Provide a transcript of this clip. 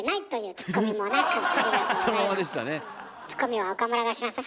ツッコミは岡村がしなさい。